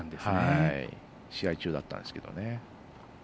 試合中だったんですけどね。